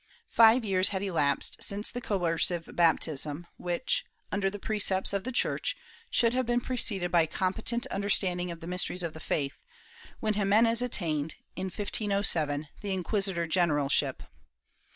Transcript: Five years had elapsed since the coercive baptism which, under the precepts of the church, should have been preceded by com petent understanding of the mysteries of the faith, when Ximenes attained, in 1507, the inquisitor generalship.